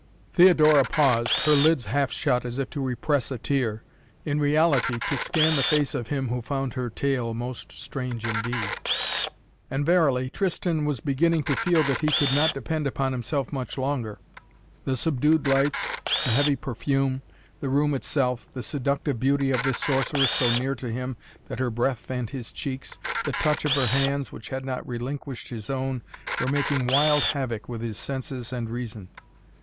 Theodora paused, her lids half shut as if to repress a tear; in reality to scan the face of him who found her tale most strange indeed. And, verily, Tristan was beginning to feel that he could not depend upon himself much longer. The subdued lights, the heavy perfume, the room itself, the seductive beauty of this sorceress so near to him that her breath fanned his cheeks, the touch of her hands, which had not relinquished his own, were making wild havoc with his senses and reason.